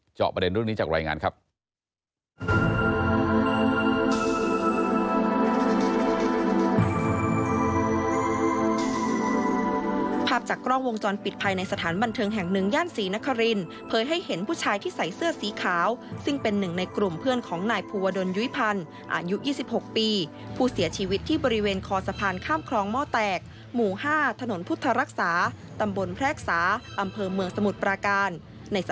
จอบประเด็นเรื่องนี้จากรายงานครับ